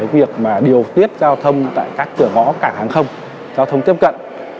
việc điều tiết giao thông tại các cửa ngõ cảng hàng không giao thông tiếp cận